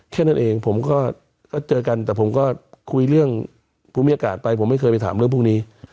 แค่นั้นเองผมก็เจอกันแต่ผมก็คุยเรื่องภูมิอากาศไปผมไม่เคยไปถามเรื่องพวกนี้